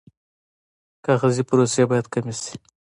کاغذي پروسې باید کمې شي